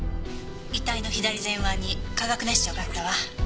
「遺体の左前腕に化学熱傷があったわ」